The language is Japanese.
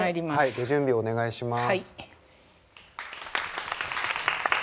ご準備お願いします。